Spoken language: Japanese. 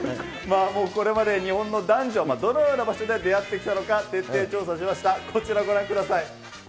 これまで日本の男女、どのような場所で出会ってきたのか、徹底調査しました。